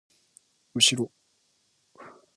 うしろ